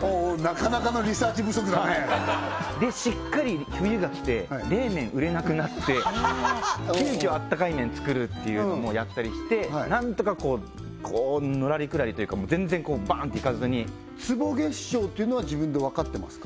おーおーなかなかのリサーチ不足だねでしっかり冬が来て冷麺売れなくなって急きょ温かい麺作るっていうのもやったりして何とかこうこうのらりくらりというか全然バーンといかずに坪月商っていうのは自分で分かってますか？